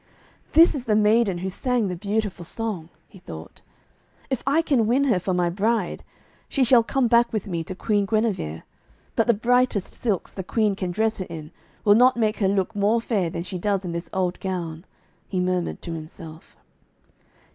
'This is the maiden who sang the beautiful song,' he thought. 'If I can win her for my bride, she shall come back with me to Queen Guinevere. But the brightest silks the Queen can dress her in, will not make her look more fair than she does in this old gown,' he murmured to himself.